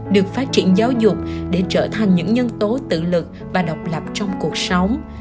được phát triển giáo dục để trở thành những nhân tố tự lực và độc lập trong cuộc sống